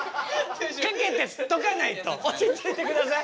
かけてとかないと落ち着いてください。